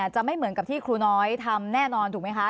จะไม่เหมือนกับที่ครูน้อยทำแน่นอนถูกไหมคะ